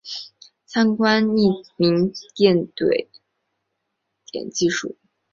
参见匿名点对点技术。